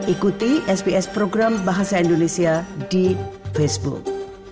ikuti sbs program bahasa indonesia di facebook